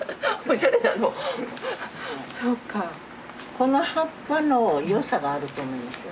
この葉っぱの良さがあると思いますよ。